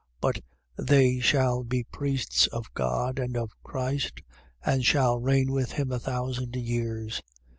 But they shall be priests of God and of Christ: and shall reign with him a thousand years.